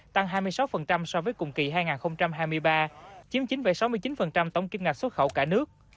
tăng hai mươi sáu so với cùng kỳ hai nghìn hai mươi ba chiếm chín sáu mươi chín tổng kim ngạch xuất khẩu cả nước